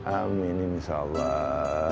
amin insya allah